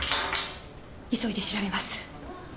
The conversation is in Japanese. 急いで調べます。